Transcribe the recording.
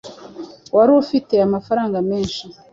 wari ufite amafaranga menshi